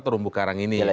terumbu karang ini